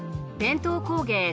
伝統工芸